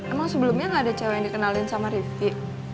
emang sebelumnya gak ada cewe yang dikenalin sama rifqi